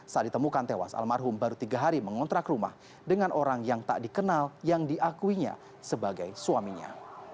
saat ditemukan tewas almarhum baru tiga hari mengontrak rumah dengan orang yang tak dikenal yang diakuinya sebagai suaminya